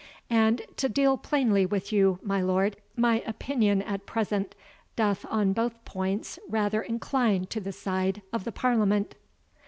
And, to deal plainly with you, my lord, my opinion at present doth on both points rather incline to the side of the Parliament."